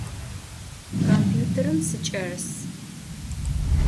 Kompütêrım sıç'erıs.